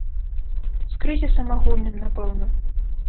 З крызісам агульным, напэўна.